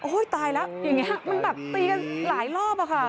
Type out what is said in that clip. ตายแล้วอย่างนี้มันแบบตีกันหลายรอบอะค่ะ